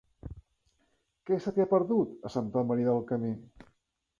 Què se t'hi ha perdut, a Santa Maria del Camí?